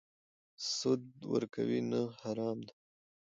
سود ورکوي؟ نه، حرام ده